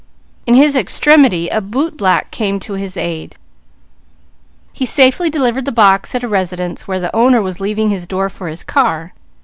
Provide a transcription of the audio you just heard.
In his extremity a bootblack came to his aid. He safely delivered the box at a residence where the owner was leaving his door for his car.